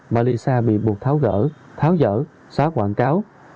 malisa bị buộc tháo gỡ tháo dỡ xóa quảng cáo